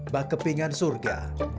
bak kepingan surga